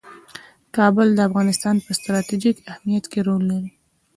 کابل د افغانستان په ستراتیژیک اهمیت کې رول لري.